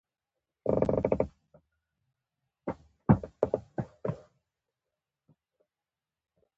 آیا وړتیا ته ارزښت ورکول کیږي؟